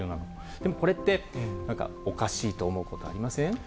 でもこれって、なんかおかしいと思うことありません？